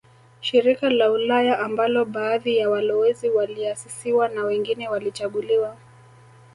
Shirika la Ulaya ambalo baadhi ya walowezi waliasisiwa na wengine walichaguliwa